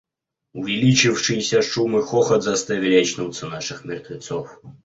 Увеличившийся шум и хохот заставили очнуться наших мертвецов.